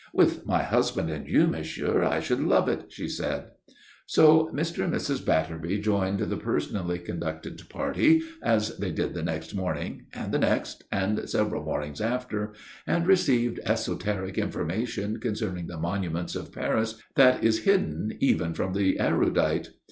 "With my husband and you, monsieur, I should love it," she said. So Mr. and Mrs. Batterby joined the personally conducted party, as they did the next morning, and the next, and several mornings after, and received esoteric information concerning the monuments of Paris that is hidden even from the erudite.